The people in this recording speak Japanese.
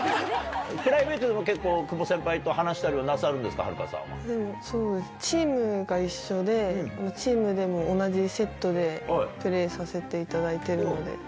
プライベートでも結構久保先輩と話したりはなさるんですか、そう、チームが一緒で、チームでも同じセットでプレーさせていただいているので。